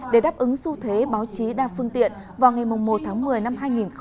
để đáp ứng xu thế báo chí đa phương tiện vào ngày một tháng một mươi năm hai nghìn một mươi chín